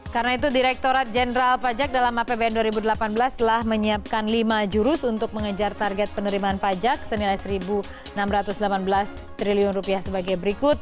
karena itu direkturat jenderal pajak dalam apbn dua ribu delapan belas telah menyiapkan lima jurus untuk mengejar target penerimaan pajak senilai rp satu enam ratus delapan belas satu triliun sebagai berikut